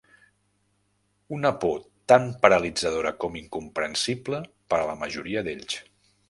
Una por tan paralitzadora com incomprensible per a la majoria d'ells.